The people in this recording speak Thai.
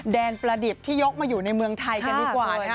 แดนประดิบที่ยกมาอยู่ในเมืองไทยกันดีกว่านะฮะ